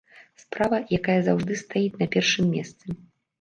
Справа, якая заўжды стаіць на першым месцы.